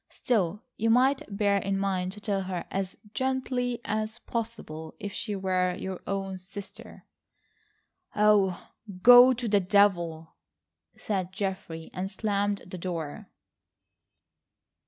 Still, you might bear in mind to tell her as gently as possible. If she were your own sister—" "Oh, go to the devil," said Geoffrey, and slammed the door.